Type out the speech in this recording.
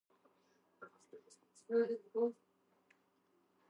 ეზოს მხარეს პირველი სართული მიწის დონეზე გამოდის.